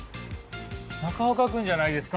中岡君じゃないですか？